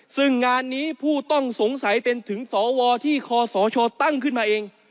ซึ่งงานนี้ผู้ต้องสงสัยเป็นถึงสวที่คอสชตั้งขึ้นมาเอง